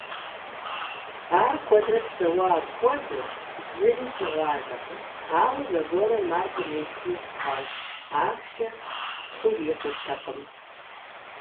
Ар куэдрэ псэуа апхуэдэу, зыри щыгъуазэкъым, ауэ зэгуэрым ар къулейсыз хъуащ: ахъшэ хурикъуртэкъым.